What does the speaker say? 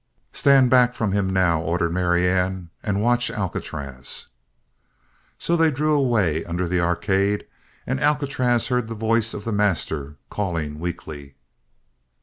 "Stand back from him, now," ordered Marianne, "and watch Alcatraz." So they drew away under the arcade and Alcatraz heard the voice of the master calling weakly.